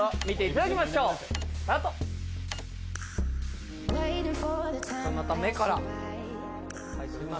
見ていただきましょうスタート！